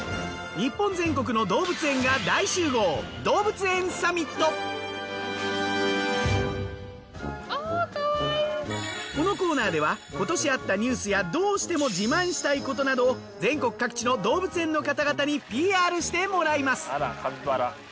日本全国の動物園が大集合このコーナーでは今年あったニュースやどうしても自慢したいことなど全国各地の動物園の方々にＰＲしてもらいます。